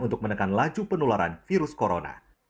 untuk menekan laju penularan virus corona